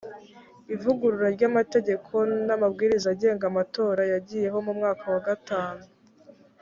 ivugurura ry amategeko n amabwiriza agenga amatora yagiyeho mu mwaka wa gatanu